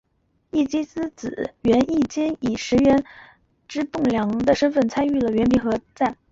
义基之子源义兼以石川源氏之栋梁的身份参加了源平合战。